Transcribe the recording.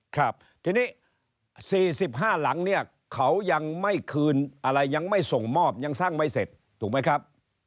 ครับทีนี้๔๕หลังเนี่ยเขายังไม่คืนอะไรยังไม่ส่งมอบยังสร้างไม่เสร็จถูกไหมครับ